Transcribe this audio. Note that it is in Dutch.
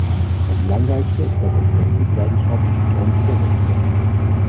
Het belangrijkste is dat het politieke leiderschap een persoonlijk voorbeeld stelt.